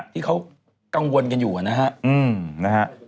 ที่เขากังวลกันอยู่นะฮะ